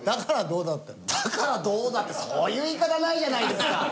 「だからどうだ」ってそういう言い方ないじゃないですか。